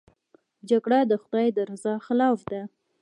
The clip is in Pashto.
جګړه د خدای د رضا خلاف ده